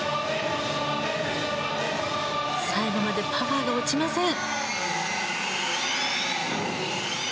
最後までパワーが落ちません。